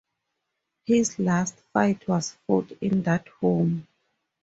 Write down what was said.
His last fight was fought in that home.